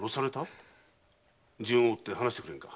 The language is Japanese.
順を追って話してくれんか。